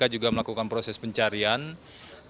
dan mereka melakukan proses pencarian yang tersebut